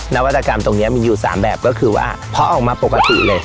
นวัตกรรมตรงนี้มีอยู่๓แบบก็คือว่าพอออกมาปกติเลย